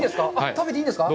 食べていいんですか？